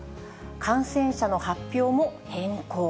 感染者の発表も変更。